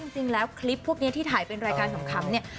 จริงแล้วคลิปพวกนี้ที่ถ่ายเป็นรายการขำเนี่ย